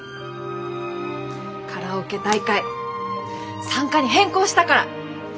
カラオケ大会参加に変更したから！